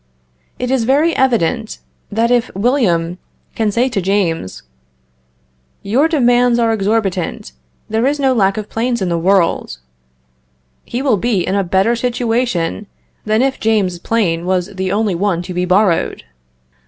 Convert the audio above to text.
It is very evident, that if William can say to James "Your demands are exorbitant; there is no lack of planes in the world;" he will be in a better situation than if James' plane was the only one to be borrowed.